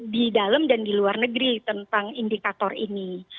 di dalam dan di luar negeri tentang indikator ini